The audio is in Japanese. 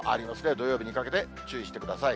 土曜日にかけて、注意してください。